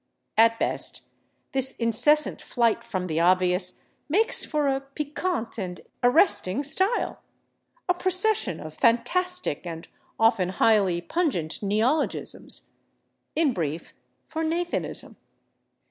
At best, this incessant flight from the obvious makes for a piquant and arresting style, a procession of fantastic and often highly pungent neologisms—in brief, for Nathanism.